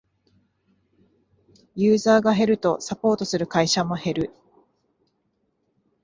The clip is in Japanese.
ユーザーが減るとサポートする会社も減る